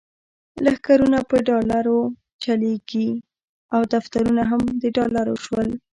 لښکرونه په ډالرو چلیږي او دفترونه هم د ډالر شول.